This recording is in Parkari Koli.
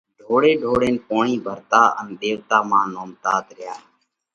ڍوڙي ڍوڙينَ پوڻِي ڀرتا ان ۮيوَتا مانه نومتات ريا۔